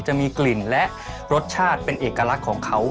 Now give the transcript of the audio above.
จะมีกลิ่นและรสชาติเป็นเอกลักษณ์ของเขา